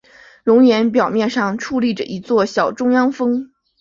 熔岩表面之上矗立着一座小中央峰。